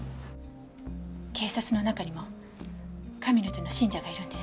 警察の中にも神の手の信者がいるんです。